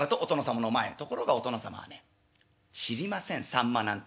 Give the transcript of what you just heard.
ところがお殿様はね知りませんさんまなんて。